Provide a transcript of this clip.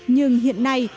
nhưng hiện nay